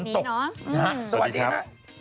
สวัสดีนี่น้องสวัสดีครับสวัสดีครับ